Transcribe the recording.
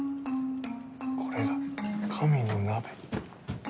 これが神の鍋。